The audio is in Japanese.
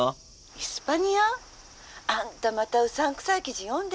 「イスパニア？あんたまたうさんくさい記事読んでるの？」。